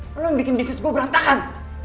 lo yang bikin bisnis gue berantakan